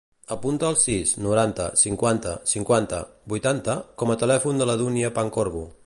Apunta el sis, noranta, cinquanta, cinquanta, vuitanta com a telèfon de la Dúnia Pancorbo.